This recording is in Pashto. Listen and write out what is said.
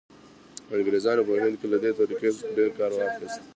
انګریزانو په هند کې له دې طریقې ډېر کار واخیست.